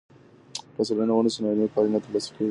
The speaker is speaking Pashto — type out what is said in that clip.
که څېړنه ونسي، نو علمي پايلې نه ترلاسه کيږي.